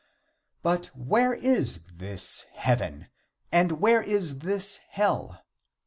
But where is this heaven, and where is this hell?